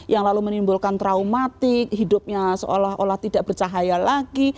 yang lalu menimbulkan traumatik hidupnya seolah olah tidak bercahaya lagi